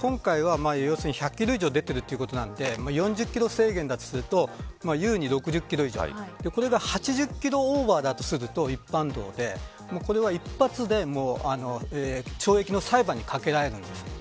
今回は１００キロ以上出ているということなので４０キロ制限だとするとゆうに６０キロ以上これが８０キロオーバーだとすると、一般道でこれは一発で懲役の裁判にかけられます。